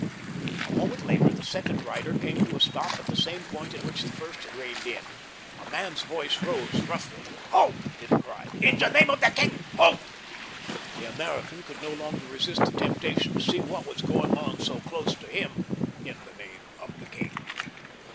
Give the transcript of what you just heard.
A moment later the second rider came to a stop at the same point at which the first had reined in. A man's voice rose roughly. "Halt!" it cried. "In the name of the king, halt!" The American could no longer resist the temptation to see what was going on so close to him "in the name of the king."